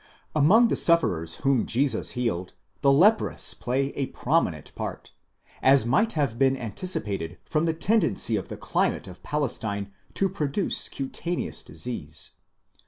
Among the sufferers whom Jesus healed, the leprous play a prominent part, as 'might have been anticipated from "the tendency of the climate of Palestine to produce cutaneous disease.